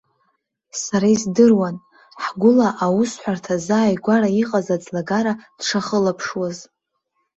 Сара издыруан, ҳгәыла аусҳәарҭа азааигәара иҟаз аӡлагара дшахылаԥшуаз.